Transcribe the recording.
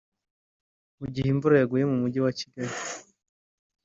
Mu gihe imvura yaguye mu mujyi wa Kigali